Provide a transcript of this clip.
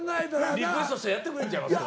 リクエストしたらやってくれるんちゃいますか？